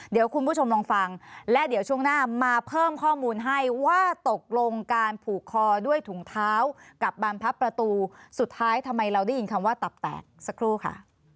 เดี๋ยวคุณผู้ชมลองฟังและเดี๋ยวช่วงหน้ามาเพิ่มข้อมูลให้ว่าตกลงการผูกคอด้วยถุงเท้ากับบรรพับประตูสุดท้ายทำไมเราได้ยินคำว่าตับแตกสักครู่ค่ะ